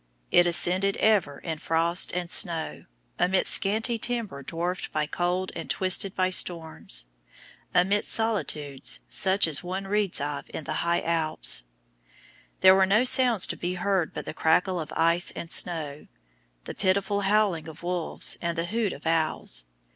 It ascended ever in frost and snow, amidst scanty timber dwarfed by cold and twisted by storms, amidst solitudes such as one reads of in the High Alps; there were no sounds to be heard but the crackle of ice and snow, the pitiful howling of wolves, and the hoot of owls.